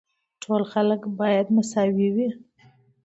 ټول خلک باید مساوي وي.